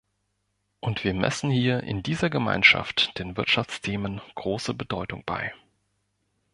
Und wir messen hier in dieser Gemeinschaft den Wirtschaftsthemen große Bedeutung bei.